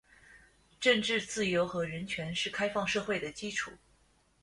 政治自由和人权是开放社会的基础。